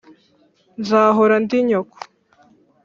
nzahora ndi nyoko.